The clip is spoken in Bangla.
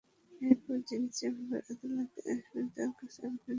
এরপর যিনি চেম্বার আদালতে বসবেন, তাঁর কাছে আবেদনটি নিয়ে যেতে বলেছেন।